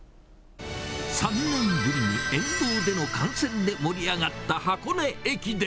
３年ぶりに沿道での観戦で盛り上がった箱根駅伝。